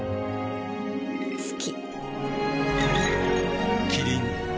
好き。